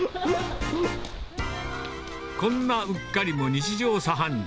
こんなうっかりも日常茶飯事。